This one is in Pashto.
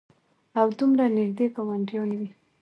او دومره نېږدې ګاونډيان وي